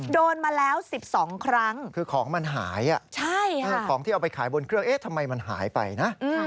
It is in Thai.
โดนมาแล้ว๑๒ครั้งคือของมันหายของที่เอาไปขายบนเครื่องเอ๊ะทำไมมันหายไปนะ